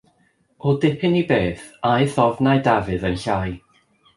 O dipyn i beth, aeth ofnau Dafydd yn llai.